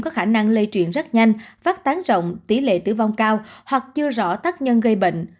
có khả năng lây truyền rất nhanh phát tán rộng tỷ lệ tử vong cao hoặc chưa rõ tác nhân gây bệnh